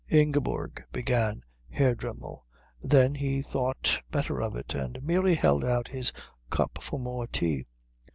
"Ingeborg " began Herr Dremmel; then he thought better of it, and merely held out his cup for more tea.